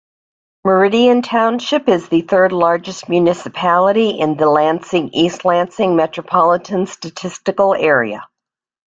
Meridian Township is the third largest municipality in the Lansing-East Lansing Metropolitan Statistical Area.